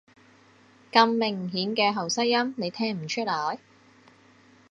咁明顯嘅喉塞音，你聽唔出來？